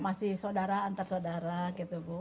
masih saudara antar saudara gitu bu